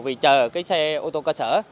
vì chờ cái xe ô tô cơ sở